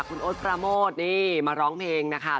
คุณโอ๊ตปราโมทนี่มาร้องเพลงนะคะ